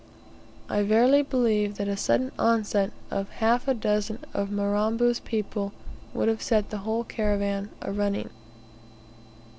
I verily believe that a sudden onset of half a dozen of Mirambo's people would have set the whole caravan arunning.